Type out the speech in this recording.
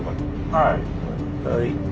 はい。